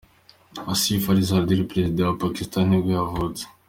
Asif Ali Zardari, perezida wa wa Pakistan nibwo yavutse.